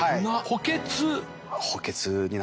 補欠。